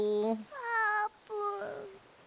あーぷん。